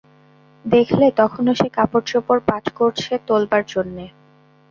দেখলে তখনো সে কাপড়-চোপড় পাট করছে তোলবার জন্যে।